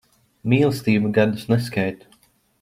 Mīlestība gadus neskaita.